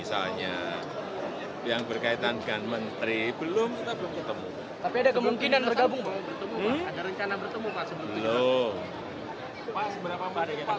seberapa mempunyai kemampuan